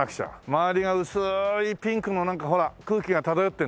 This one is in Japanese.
周りが薄いピンクのなんかほら空気が漂ってるでしょ？